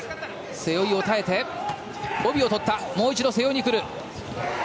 背負いを耐えて帯を取ったもう一度背負いに来る！